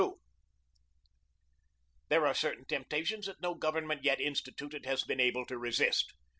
There are certain temptations that no government yet instituted has been able to resist.